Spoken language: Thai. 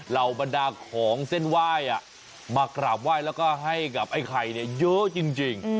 เหล่าบรรดาของเส้นไหว้มากราบไหว้แล้วก็ให้กับไอ้ไข่เยอะจริง